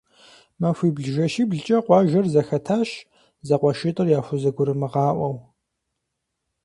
Махуибл-жэщиблкӏэ къуажэр зэхэтащ, зэкъуэшитӏыр яхузэгурымыгъаӏуэу.